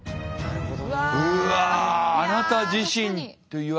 なるほど。